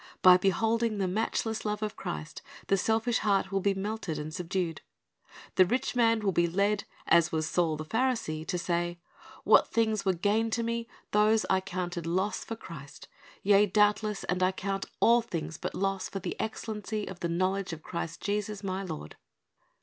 By beholding the matchless love of Christ, the selfish heart will be melted and subdued. The rich man will be led, as was Saul the Pharisee, to say, "What things were gain to me, those I 1 1 Cor. 6 : 19, 20 Th e Reward of Grace 395 counted loss for Christ. Yea doubtless, and I count all things but loss for the excellency of the knowledge of Christ Jesus my Lord."